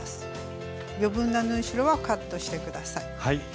余分な縫い代はカットして下さい。